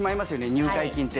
入会金て。